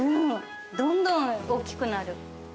どんどんおっきくなる。